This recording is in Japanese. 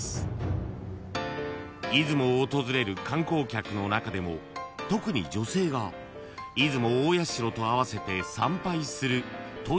［出雲を訪れる観光客の中でも特に女性が出雲大社と併せて参拝するという神社があります］